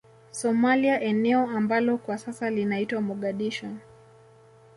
Somalia eneo ambalo kwa sasa linaitwa Mogadishu